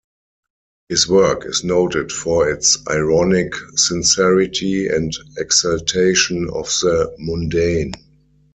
His work is noted for its ironic sincerity and exaltation of the mundane.